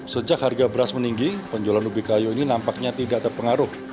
sejak harga beras meninggi penjualan ubi kayu ini nampaknya tidak terpengaruh